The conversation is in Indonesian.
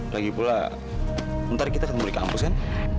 lagipula nanti kita ketemu di kampus kan